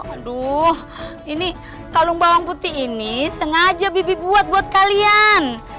aduh ini kalung bawang putih ini sengaja bibi buat buat kalian